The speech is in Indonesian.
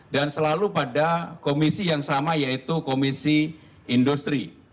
dan selalu pada komisi yang sama yaitu komisi industri